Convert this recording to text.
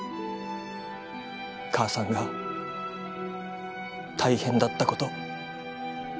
母さんが大変だったこと。